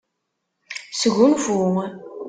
Sgunfu.